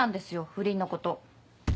不倫のこと。